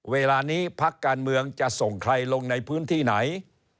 เวลานี้พักการเมืองจะส่งใครลงในพื้นที่ไหน